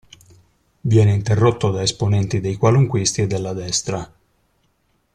Viene interrotto da esponenti dei qualunquisti e della destra.